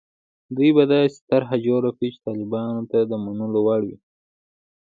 دوی به داسې طرح جوړه کړي چې طالبانو ته د منلو وړ وي.